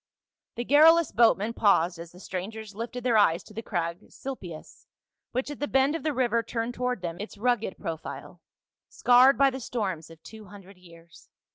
The garrulous boatman paused as the strangers lifted their eyes to the crag Silpius, which at the bend of the river turned toward them its rugged profile, scarred by the storms of two hundred years.